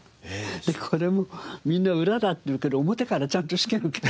これもみんな裏だって言うけど表からちゃんと試験受けて。